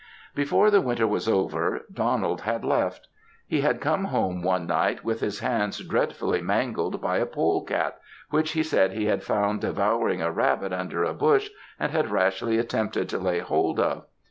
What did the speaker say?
Before the winter was over, Donald had left. He had come home one night, with his hands dreadfully mangled by a pole cat, which he said he had found devouring a rabbit under a bush, and had rashly attempted to lay hold of.